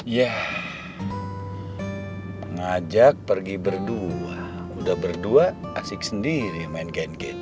yah ngajak pergi berdua udah berdua asik sendiri main geng geng